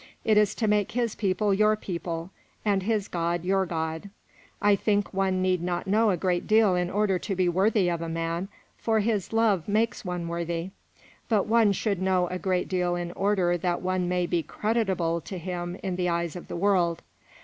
It is to make his people your people, and his God your God. I think one need not know a great deal in order to be worthy of a man for his love makes one worthy; but one should know a great deal in order that one may be creditable to him in the eyes of the world.